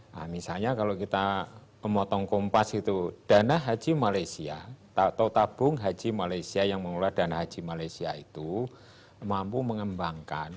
nah misalnya kalau kita memotong kompas itu dana haji malaysia atau tabung haji malaysia yang mengelola dana haji malaysia itu mampu mengembangkan